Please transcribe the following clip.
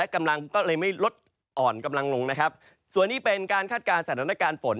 กำลังก็เลยไม่ลดอ่อนกำลังลงนะครับส่วนนี้เป็นการคาดการณ์สถานการณ์ฝน